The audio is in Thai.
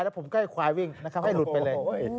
แล้วผมก็ให้ควายวิ่งนะครับให้หลุดไปเลย